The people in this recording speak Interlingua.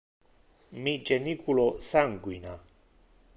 Mi geniculo sanguina.